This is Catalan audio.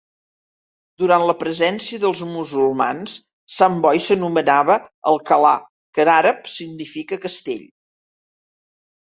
Durant la presència dels musulmans Sant Boi s'anomenava Alcalà que en àrab significa castell.